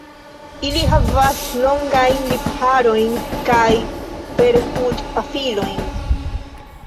Ili havas longajn lipharojn kaj perkutpafilojn.